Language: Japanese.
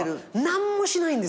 何もしないの！？